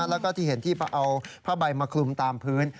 แล้วก็ที่เห็นที่เอาผ้าใบมาคลุมตามพื้น